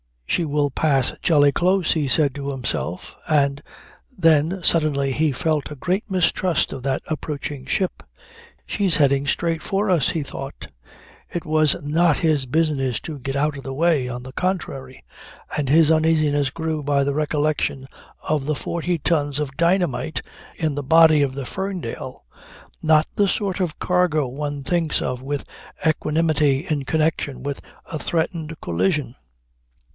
She will pass jolly close he said to himself; and then suddenly he felt a great mistrust of that approaching ship. She's heading straight for us he thought. It was not his business to get out of the way. On the contrary. And his uneasiness grew by the recollection of the forty tons of dynamite in the body of the Ferndale; not the sort of cargo one thinks of with equanimity in connection with a threatened collision.